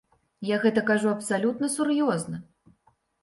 Я гэта кажу абсалютна сур'ёзна.